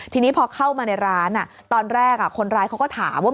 ทีนี้พอเข้ามาในร้านตอนแรกคนร้ายเขาก็ถามว่า